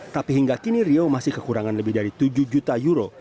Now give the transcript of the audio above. tapi hingga kini rio masih kekurangan lebih dari tujuh juta euro